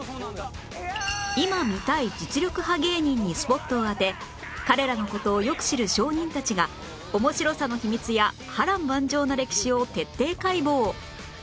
今見たい実力派芸人にスポットを当て彼らの事をよく知る証人たちが面白さの秘密や波瀾万丈な歴史を徹底解剖